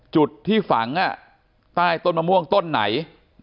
จุดที่ฝังใต้ต้นมะม่วงต้นไหน